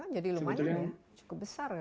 jadi lumayan ya cukup besar ya